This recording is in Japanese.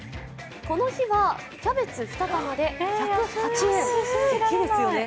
この日はキャベツ２玉で１０８円。